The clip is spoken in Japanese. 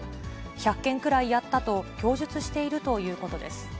１００件くらいやったと供述しているということです。